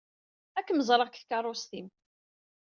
Ad kem-ẓṛeɣ deg tkeṛṛust-im.